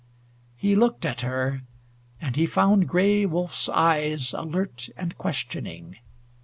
He looked at her, and he found Gray Wolf's eyes alert and questioning.